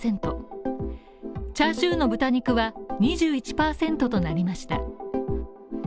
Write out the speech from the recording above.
チャーシューの豚肉は２１％となりました。